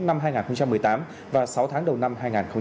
năm hai nghìn một mươi tám và sáu tháng đầu năm hai nghìn một mươi chín